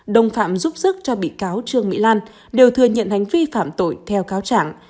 đồng phạm giúp sức cho bị cáo trương mỹ lan đều thừa nhận hành vi phạm tội theo cáo trạng